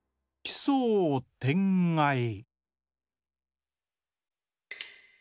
「きそうてんがい」。